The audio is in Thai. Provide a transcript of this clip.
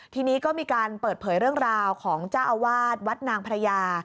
ทีนี้ก็มีการเปิดเผยเรื่องราวของเจ้าอาวาสวัดนางพระยา